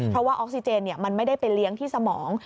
เพราะว่าออกซิเจนมันไม่ได้ไปเลี้ยงที่สมอง